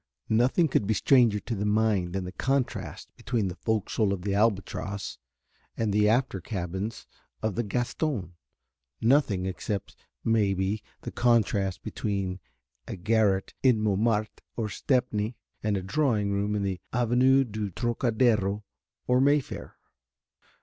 Nothing could be stranger to the mind than the contrast between the fo'c'sle of the Albatross and the after cabins of the Gaston, nothing, except, maybe, the contrast between a garret in Montmartre or Stepney and a drawing room in the Avenue du Trocadéro or Mayfair.